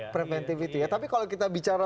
preventivity tapi kalau kita bicara